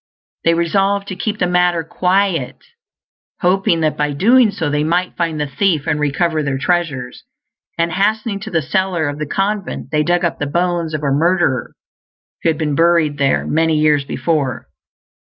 They resolved to keep the matter quiet, hoping that by doing so they might find the thief and recover their treasures; and hastening to the cellar of the convent they dug up the bones of a murderer, who had been buried there many years before.